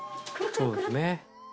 そうですね。